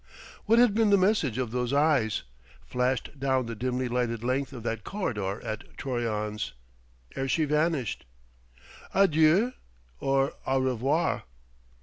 What had been the message of those eyes, flashed down the dimly lighted length of that corridor at Troyon's, ere she vanished? Adieu? Or au revoir?